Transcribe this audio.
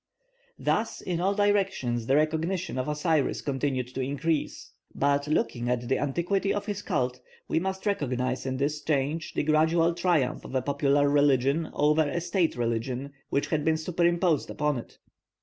Thus in all directions the recognition of Osiris continued to increase; but, looking at the antiquity of his cult, we must recognise in this change the gradual triumph of a popular religion over a state religion which had been superimposed upon it.